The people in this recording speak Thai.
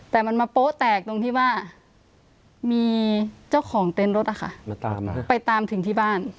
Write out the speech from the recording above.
แต่มันมาโป๊ะแตกตรงที่ว่ามีเจ้าของเต็นต์รถอะค่ะไปตามถึงที่บ้าน